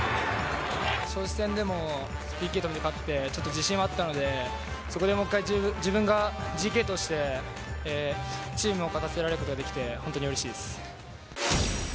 尚志戦でもＰＫを止めて勝って、ちょっと自信はあったので、そこでもう一回自分がＧＫとしてチームを勝たせられることができて本当にうれしいです。